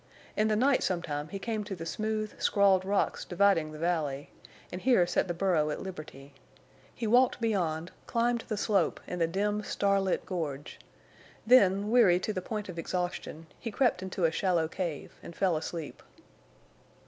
In the night sometime he came to the smooth, scrawled rocks dividing the valley, and here set the burro at liberty. He walked beyond, climbed the slope and the dim, starlit gorge. Then, weary to the point of exhaustion, he crept into a shallow cave and fell asleep.